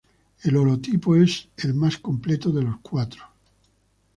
El holotipo es el más completo de los cuatros.